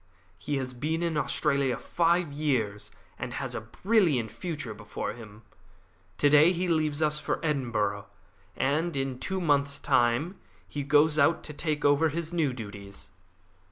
He has been in Australia five years, and has a brilliant future before him. To day he leaves us for Edinburgh, and in two months' time, he goes out to take over his new duties.